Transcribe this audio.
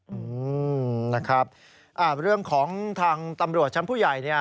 อืมนะครับอ่าเรื่องของทางตำรวจชั้นผู้ใหญ่เนี่ย